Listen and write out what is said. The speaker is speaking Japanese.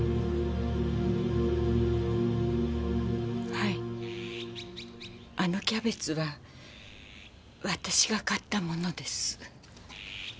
はいあのキャベツは私が買ったものです。